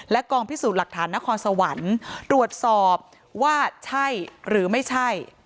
กองพิสูจน์หลักฐานนครสวรรค์ตรวจสอบว่าใช่หรือไม่ใช่